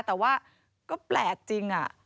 แต่ว่าก็แปลกจริง